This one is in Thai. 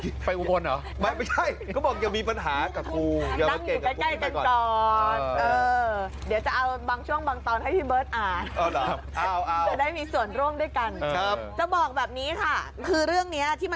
ได้ยินช่วงจังหวะนั้นใช่ไหม